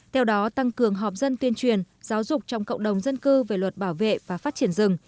theo đó tăng cường họp dân tuyên truyền giáo dục trong cộng đồng dân cư về luật bảo vệ và phát triển rừng